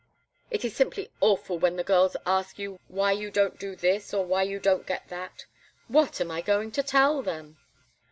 It is simply awful when the girls ask you why you don't do this, or why you don't get that. What am I going to tell them?"